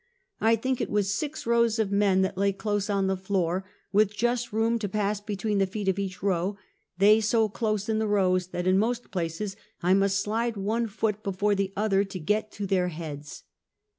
I think it was six rows of men that lay close on the floor, with just room to pass between the feet of each row; they so close in the rows that in most places I must slide one foot before the other to get to their heads.